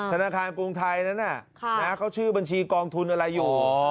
ธนาคารกรุงไทยนั้นเขาชื่อบัญชีกองทุนอะไรอยู่